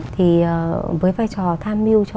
thì với vai trò than mưu cho